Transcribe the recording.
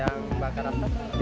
yang bakar asap